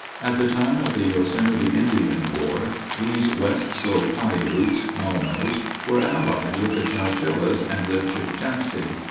At the time of the Yosemite Indian War, these west slope Piutes (Monos) were allied with the Chowchillas and Chukchansi.